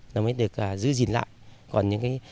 nó mới được giữ